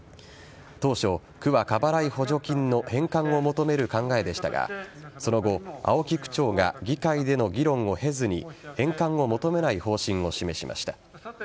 当初、区は過払い補助金の返還を求める考えでしたがその後、青木区長が議会での議論を経ずに返還を求めない方針を示しました。